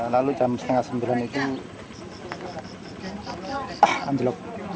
lalu jam setengah sembilan itu anjlok